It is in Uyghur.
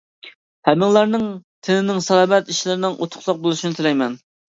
ھەممىڭلارنىڭ تېنىنىڭ سالامەت، ئىشلىرىنىڭ ئۇتۇقلۇق بولۇشىنى تىلەيمەن!